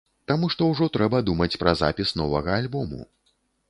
Таму што ўжо трэба думаць пра запіс новага альбому.